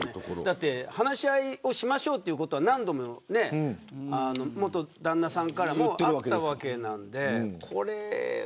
だって話し合いをしましょうということは何度も元旦那さんからもあったわけなんで。